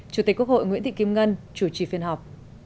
chủ tịch quốc hội nguyễn thị kim ngân chủ trì phiên họp